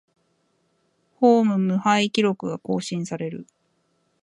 ホーム無敗記録が更新される